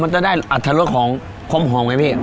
มันจะได้อัตรรสของความหอมไงพี่